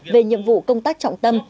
về nhiệm vụ công tác trọng tâm